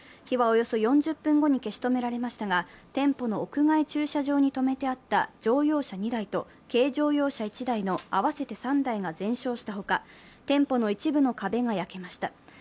火はおよそ４０分後に消し止められましたが、店舗の屋外駐車場に止めてあった乗用車２台と軽乗用車１台の合わせて３台が全焼したほか、店舗の一部の壁が焼けました。